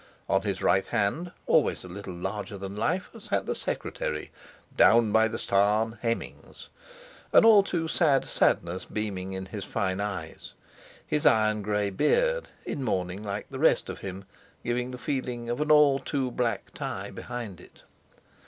On his right hand, always a little larger than life, sat the Secretary, "Down by the starn" Hemmings; an all too sad sadness beaming in his fine eyes; his iron grey beard, in mourning like the rest of him, giving the feeling of an all too black tie behind it.